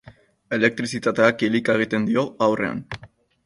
Elektrizitateak kilika egiten dio ahurrean.